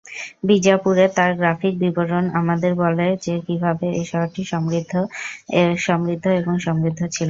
বিজাপুরের তাঁর গ্রাফিক বিবরণ আমাদের বলে যে কীভাবে এই শহরটি সমৃদ্ধ, সমৃদ্ধ এবং সমৃদ্ধ ছিল।